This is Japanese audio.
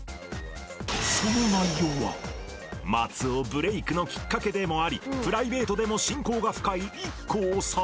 その内容は松尾ブレイクのきっかけでもありプライベートでも親交が深い ＩＫＫＯ さん